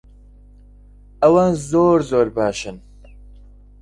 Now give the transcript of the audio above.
ئەوان زۆر زۆر باشن.